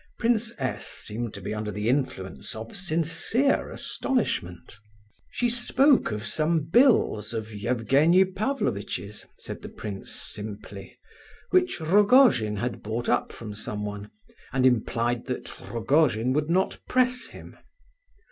Prince S. seemed to be under the influence of sincere astonishment. "She spoke of some bills of Evgenie Pavlovitch's," said the prince, simply, "which Rogojin had bought up from someone; and implied that Rogojin would not press him."